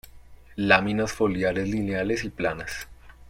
Láminas foliares lineales y planas.